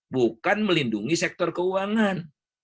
bukan melindungi sektor keuangan